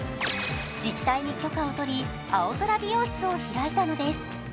自治体に許可を取り、青空美容室を開いたのです。